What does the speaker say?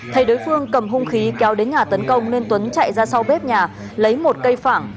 thấy đối phương cầm hung khí kéo đến nhà tấn công nên tuấn chạy ra sau bếp nhà lấy một cây phẳng